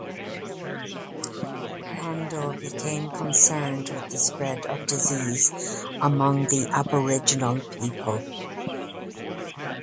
Landor became concerned with the spread of disease among the Aboriginal people.